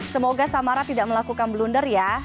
semoga samara tidak melakukan blunder ya